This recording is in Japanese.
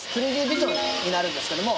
３Ｄビジョンになるんですけども。